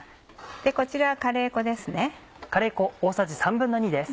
こちらはカレー粉です。